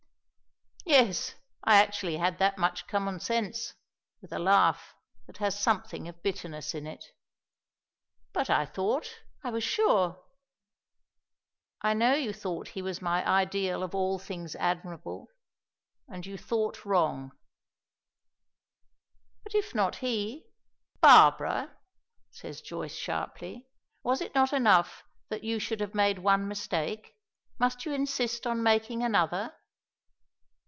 "Yes. I actually had that much common sense," with a laugh that has something of bitterness in it. "But I thought I was sure " "I know you thought he was my ideal of all things admirable. And you thought wrong." "But if not he " "Barbara!" says Joyce sharply. "Was it not enough that you should have made one mistake? Must you insist on making another?"